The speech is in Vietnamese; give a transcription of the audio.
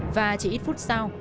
và chỉ ít phút sau